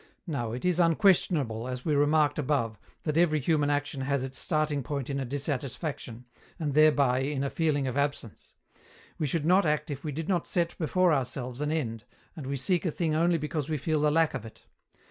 Now, it is unquestionable, as we remarked above, that every human action has its starting point in a dissatisfaction, and thereby in a feeling of absence. We should not act if we did not set before ourselves an end, and we seek a thing only because we feel the lack of it.